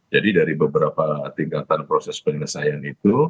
jadi dari beberapa tingkatan proses penyelesaian itu